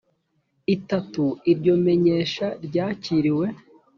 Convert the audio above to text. itatu iryo menyesha ryakiriwe